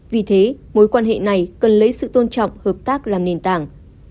vì thế mối quan hệ này cần lấy sự tôn trọng hợp tác làm nền tảng